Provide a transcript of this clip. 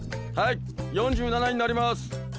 はい４７になります！